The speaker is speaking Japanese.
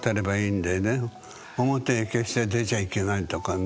表に決して出ちゃいけないとかね。